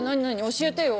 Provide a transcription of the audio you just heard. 教えてよ。